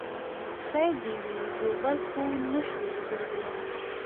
خیر دې وي ژوبل خو نه شولې زړګیه.